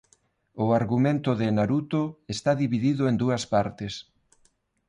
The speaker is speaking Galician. O argumento de "Naruto" está dividido en dúas partes.